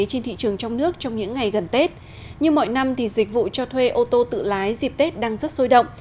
trên thị trường trong nước trong những ngày gần tết như mọi năm thì dịch vụ cho thuê ô tô tự lái dịp tết đang rất sôi động